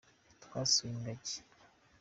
Twasuye ingagi.